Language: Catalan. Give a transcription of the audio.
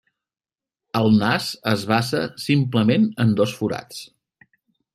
El nas es basa simplement en dos forats.